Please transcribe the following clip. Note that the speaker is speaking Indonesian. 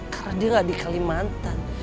karena dia gak di kalimantan